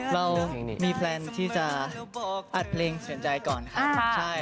เรามีแปลนที่จะอัดเพลงกันก่อนครับ